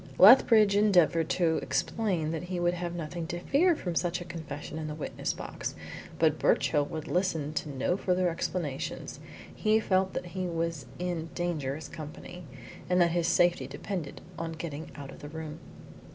Lethbridge endeavoured to explain that he would have nothing to fear from such a confession in the witness box, but Birchill would listen to no further explanations. He felt that he was in dangerous company, and that his safety depended on getting out of the room.